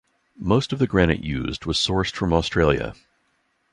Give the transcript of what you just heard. Most of the granite used was sourced from Australia.